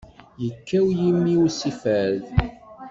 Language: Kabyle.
Yekkaw yimi-w si fad.